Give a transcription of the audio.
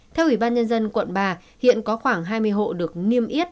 theo ủy ban nhân dân quận ba hiện có khoảng hai mươi hộ được niêm yết